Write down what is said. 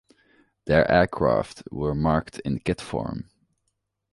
Their aircraft were marketed in kit form.